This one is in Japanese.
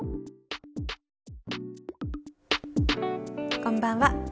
こんばんは。